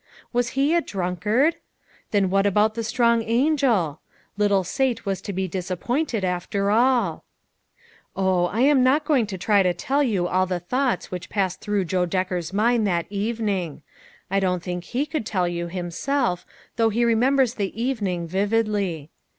Was he a drunkard? Then what about the strong angel? Little Sate was to be o o disappointed, after all ! Oh ! I am not going to try to tell you all the thoughts which passed through Joe Decker's mind that evening. I don't think he could tell you himself, though he remembers the evening vividly.